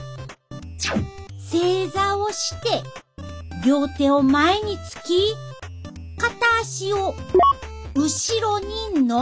正座をして両手を前につき片足を後ろにのばす。